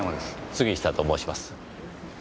杉下と申します。